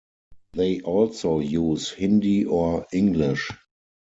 They also use Hindi or English.